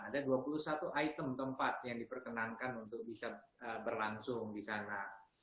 ada dua puluh satu item tempat yang diperkenankan untuk bisa berlangsung di sana